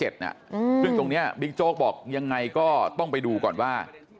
ซึ่งตรงนี้บิ๊กโจ๊กบอกยังไงก็ต้องไปดูก่อนว่า